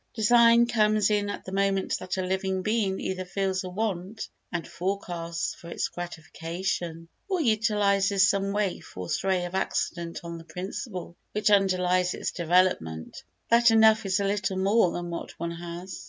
Design comes in at the moment that a living being either feels a want and forecasts for its gratification, or utilises some waif or stray of accident on the principle, which underlies all development, that enough is a little more than what one has.